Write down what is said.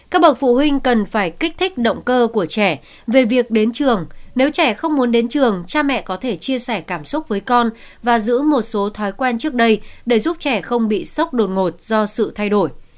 các bậc phụ huynh cần phải kích thích động cơ của trẻ về việc đến trường nếu trẻ không muốn đến trường cha mẹ có thể chia sẻ cảm xúc với con và giữ một số thói quen trước đây để giúp trẻ không bị sốc đột ngột do sự thay đổi